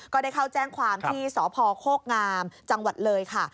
ก็ได้เข้าแจ้งความที่สพโคกงามจังหวัดเลยค่ะ